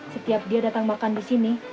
setiap dia datang makan disini